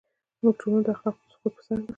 زموږ ټولنه د اخلاقو د سقوط پر سر ده.